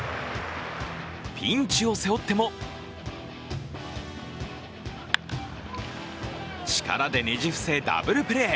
ピンチを背負っても力でねじ伏せ、ダブルプレー。